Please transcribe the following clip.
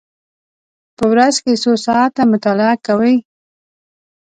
په ورځ کې څو ساعته مطالعه کوئ؟